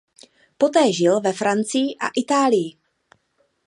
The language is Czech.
Poté žil ve Francii a Itálii.